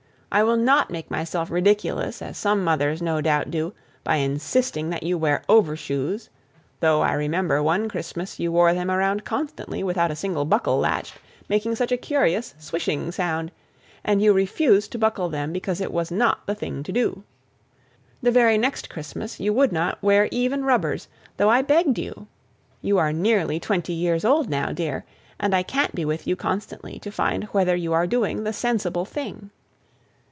I will not make myself ridiculous as some mothers no doubt do, by insisting that you wear overshoes, though I remember one Christmas you wore them around constantly without a single buckle latched, making such a curious swishing sound, and you refused to buckle them because it was not the thing to do. The very next Christmas you would not wear even rubbers, though I begged you. You are nearly twenty years old now, dear, and I can't be with you constantly to find whether you are doing the sensible thing.